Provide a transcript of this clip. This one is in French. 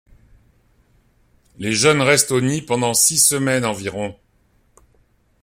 Les jeunes restent au nid pendant six semaines environ.